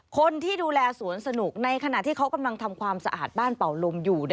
คนที่ดูแลสวนสนุกในขณะที่เขากำลังทำความสะอาดบ้านเป่าลมอยู่